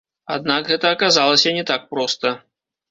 Аднак гэта аказалася не так проста.